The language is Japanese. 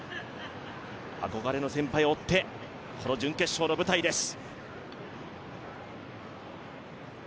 憧れの先輩を追って、この準決勝の舞台です。